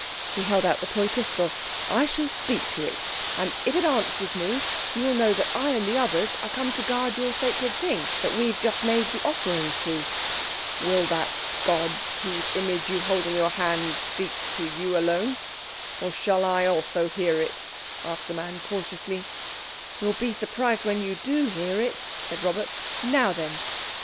He held out the toy pistol. "I shall speak to it, and if it answers me you will know that I and the others are come to guard your sacred thing—that we've just made the offerings to." "Will that god whose image you hold in your hand speak to you alone, or shall I also hear it?" asked the man cautiously. "You'll be surprised when you do hear it," said Robert. "Now, then."